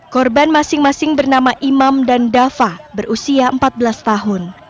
korban masing masing bernama imam dan dava berusia empat belas tahun